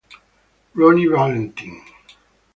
Ronnie Valentine